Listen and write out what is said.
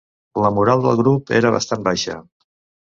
La moral del grup era bastant baixa.